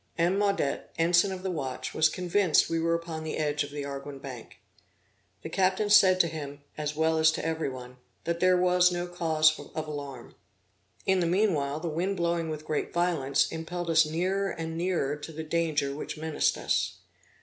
M. Maudet, ensign of the watch, was convinced we were upon the edge of the Arguin Bank. The captain said to him, as well as to every one, that there was no cause of alarm. In the meanwhile, the wind blowing with great violence, impelled us nearer and nearer to the danger which menaced us.